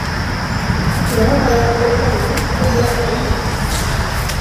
Jag har hört att chokladmousse är bra för hyn.